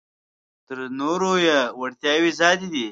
تر نورو یې وړتیاوې زیاتې دي.